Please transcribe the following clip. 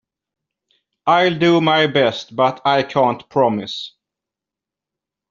I'll do my best, but I can't promise.